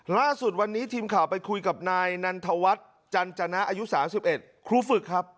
ล่าสุดวันนี้ทีมข่าวไปคุยกับนายนันทวัฒน์จันจนะอายุ๓๑ครูฝึกครับ